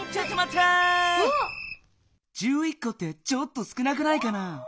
こってちょっと少なくないかな？